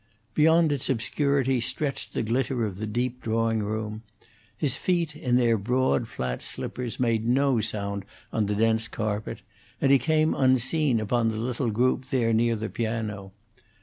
Beyond its obscurity stretched the glitter of the deep drawing room. His feet, in their broad, flat slippers, made no sound on the dense carpet, and he came unseen upon the little group there near the piano.